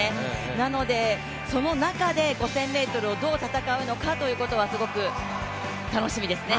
なので、その中で５０００ｍをどう戦うのかということはすごく楽しみですね。